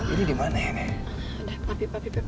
ini dimana ini